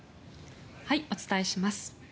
お伝えします。